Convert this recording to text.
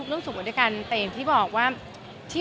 ผู้จักรเลยอีกปี